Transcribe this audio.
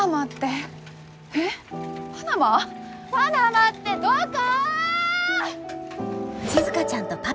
パナマってどこ！？